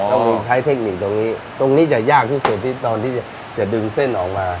เรามีใช้เทคนิคตรงนี้ตรงนี้จะยากที่สุดที่ตอนที่จะดึงเส้นออกมา